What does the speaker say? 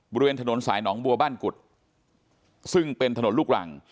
บริเวณถนนสายหนองบัวบ้านกุฎซึ่งเป็นถนนลูกรัง